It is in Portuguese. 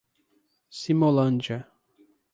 Simolândia